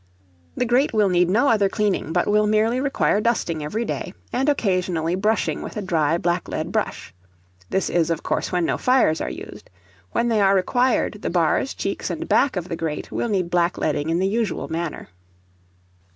The grate will need no other cleaning, but will merely require dusting every day, and occasionally brushing with a dry black lead brush. This is, of course, when no fires are used. When they are required, the bars, cheeks, and back of the grate will need black leading in the usual manner.